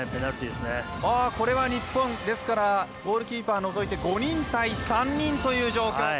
これは日本ですからゴールキーパーをのぞいて５人対３人という状況。